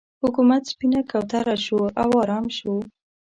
حکومت سپینه کوتره شو او ارام شو.